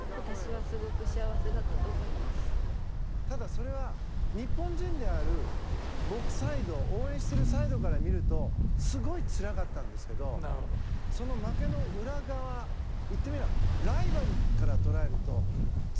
ただ、それは日本人である僕サイド応援してるサイドから見るとすごいつらかったんですけどその負けの裏側言ってみれば。